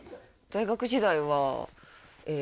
大学時代はえ